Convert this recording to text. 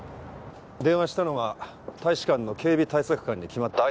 電話したのは大使館の警備対策官に決まった。